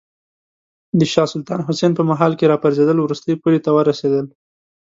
د شاه سلطان حسین په مهال کې راپرزېدل وروستۍ پولې ته ورسېدل.